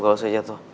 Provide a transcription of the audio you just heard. kalau saya jatuh